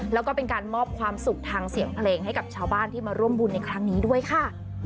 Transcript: แล้วก็เป็นการมอบความสุขทางเสียงเพลงให้กับชาวบ้านที่มาร่วมบุญในครั้งนี้ด้วยค่ะ